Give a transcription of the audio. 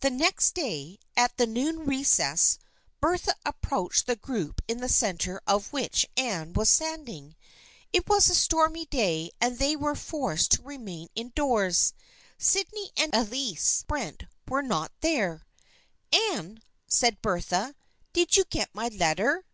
The next day, at the noon recess, Bertha ap proached the group in the centre of which Anne was standing. It was a stormy day and they were forced to remain indoors. Sydney and Elsie Brent were not there. " Anne," said Bertha, " did you get my letter